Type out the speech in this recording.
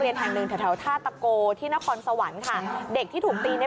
โววววโดนกลัวเลยค่ะ